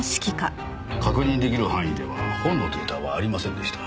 確認出来る範囲では本のデータはありませんでした。